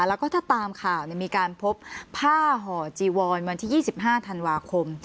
แล้วก็ถ้าตามข่าวเนี่ยมีการพบผ้าห่อจีวอนวันที่ยี่สิบห้าธันวาคม